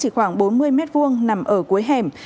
chỉ khoảng bốn mươi m hai nằm ở cuối hẻm